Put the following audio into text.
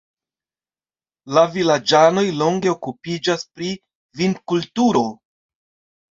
La vilaĝanoj longe okupiĝas pri vinkulturo.